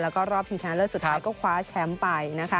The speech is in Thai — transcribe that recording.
แล้วก็รอบชิงชนะเลิศสุดท้ายก็คว้าแชมป์ไปนะคะ